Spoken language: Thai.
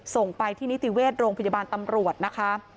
ส่งไปที่นิติเวชโรงพยาบาลตำรวจนะคะ